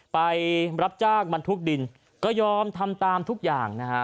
ไปรับจ้างบรรทุกดินก็ยอมทำตามทุกอย่างนะฮะ